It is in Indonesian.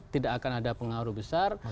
tidak akan ada pengaruh besar